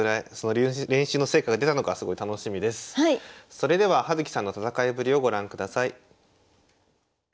それでは葉月さんの戦いぶりをご覧ください。